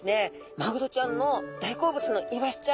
マグロちゃんの大好物のイワシちゃん